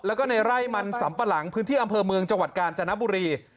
แล้วก็ในไร่มันสำปะหลังพื้นที่อำเภอเมืองจังหวัดกาญจนบุรี